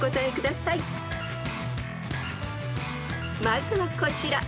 ［まずはこちら］